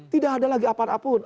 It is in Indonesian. tidak ada lagi apa apa pun